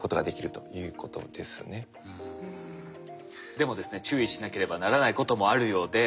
でもですね注意しなければならないこともあるようで。